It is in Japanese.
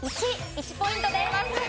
１。１ポイントです。